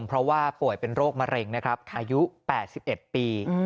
เพราะว่าป่วยเป็นโรคมะเร็งนะครับอายุ๘๑ปี